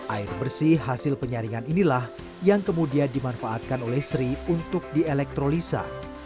air bersih hasil penyaringan inilah yang kemudian dimanfaatkan oleh sri untuk dielektrolisa